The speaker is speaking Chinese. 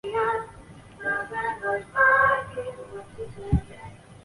兴隆观和峨嵋山下的佛教寺院兴善寺齐名。